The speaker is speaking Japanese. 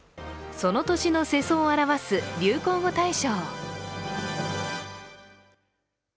その年の世相を表す流行語大賞。